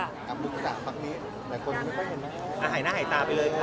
อันนี้ปักนี้หายหน้าหายตาไปเลยเนาะ